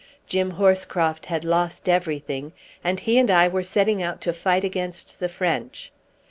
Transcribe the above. Jim Horscroft had lost everything, and he and I were setting out to fight against the French.